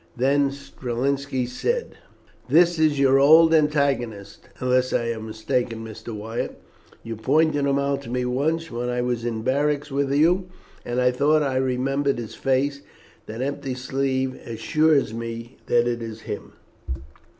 Then Strelinski said: "That is your old antagonist, unless I am mistaken, Mr. Wyatt. You pointed him out to me once when I was in barracks with you, and I thought I remembered his face; that empty sleeve assures me that it is him."